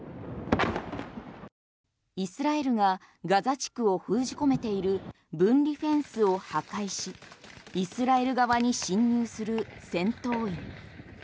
イスラエルがガザ地区を封じ込めている分離フェンスを破壊しイスラエル側に侵入する戦闘員。